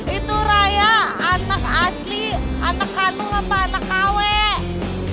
itu raya anak asli anak kandung apa anak kawek